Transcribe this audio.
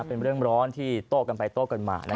เป็นเรื่องร้อนที่โต้กันไปโต้กันมา